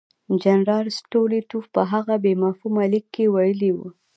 جنرال سټولیټوف په هغه بې مفهومه لیک کې ویلي وو.